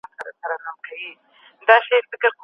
بریالي کسان خپلو کارونو ته ډېره لېوالتیا لري.